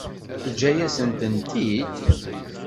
Teǧǧa-yasen-tent-id?